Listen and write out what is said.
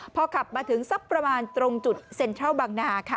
พอขับมาถึงสักประมาณตรงจุดเซ็นทรัลบางนาค่ะ